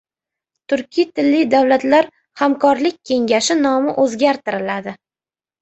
Turkiy tilli davlatlar hamkorlik kengashi nomi o‘zgartiriladi